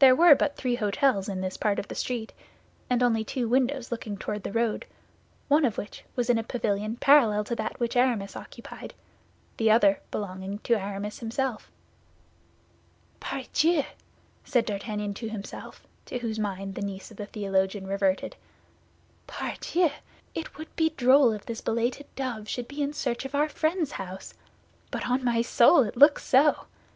There were but three hôtels in this part of the street; and only two windows looking toward the road, one of which was in a pavilion parallel to that which Aramis occupied, the other belonging to Aramis himself. "Pardieu!" said D'Artagnan to himself, to whose mind the niece of the theologian reverted, "pardieu, it would be droll if this belated dove should be in search of our friend's house. But on my soul, it looks so.